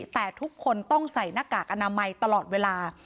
แต่ทุกคนต้องใส่หน้ากากอนามัยตลอดเวลา